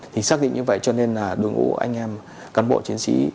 thì xác định như vậy cho nên là đội ngũ anh em cán bộ chiến sĩ